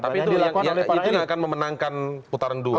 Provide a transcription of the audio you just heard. tapi itu yang akan memenangkan putaran dua